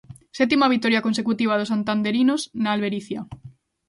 Sétima vitoria consecutiva dos santanderinos na Albericia.